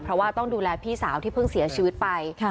เพราะว่าต้องดูแลพี่สาวที่เพิ่งเสียชีวิตไป